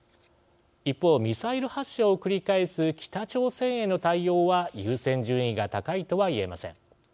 一方、ミサイル発射を繰り返す北朝鮮への対応は優先順位が高いとは言えません。